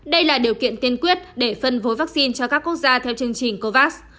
đây là điều kiện tiên quyết để phân phối vaccine cho các quốc gia theo chương trình covax